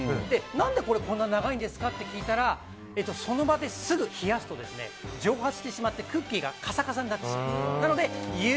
何でこれこんなに長いんですかって聞いたらその場ですぐ冷やすと蒸発してしまってクッキーがカサカサになってしまう。